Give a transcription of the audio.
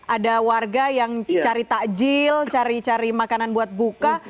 ada warga yang cari takjil cari cari makanan buat buka